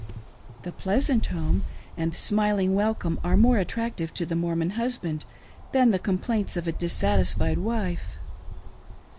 Th'e pleasant honie and smiling welcome are more attractive to the Mormon husband than the complaints of a dissatisfied wife.